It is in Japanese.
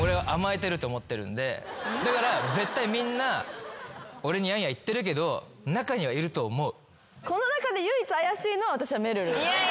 だから絶対みんな俺にやんや言ってるけど中にはいると思う。